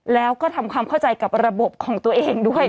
แล้วก็ทำความเข้าใจกับระบบของตัวเองด้วย